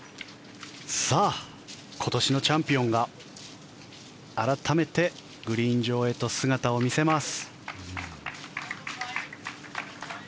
今年のチャンピオンが、改めてグリーン上へと姿を見せます。